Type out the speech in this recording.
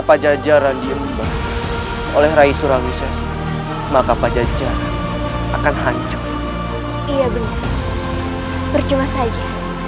mencapai tepat di dranen ruimu